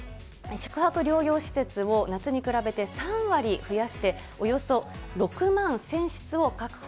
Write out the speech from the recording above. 宿泊療養施設を夏に比べて３割増やして、およそ６万１０００室を確保。